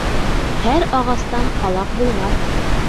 Һәр ағастан ҡалаҡ булмаҫ.